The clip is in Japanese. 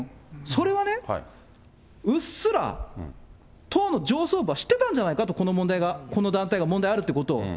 それはね、うっすら党の上層部は知ってたんじゃないかと、この団体が問題あるっていうことを。